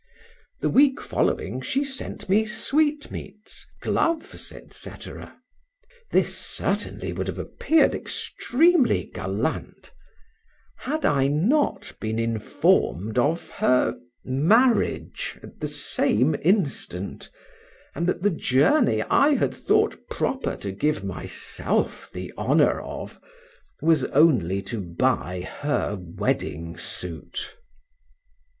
The week following she sent me sweetmeats, gloves, etc. This certainly would have appeared extremely gallant, had I not been informed of her marriage at the same instant, and that the journey I had thought proper to give myself the honor of, was only to buy her wedding suit.